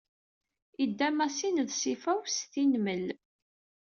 Idda Masin d Sifaw s Tinmel.